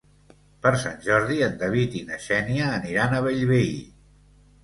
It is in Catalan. Per Sant Jordi en David i na Xènia aniran a Bellvei.